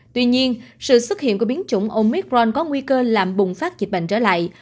tuy nhiên sự xuất hiện của biến chủng omicron có nguy cơ làm bùng phát dịch bệnh trở lại